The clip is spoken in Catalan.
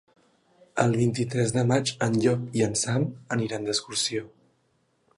El vint-i-tres de maig en Llop i en Sam aniran d'excursió.